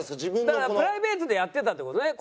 だからプライベートでやってたって事ね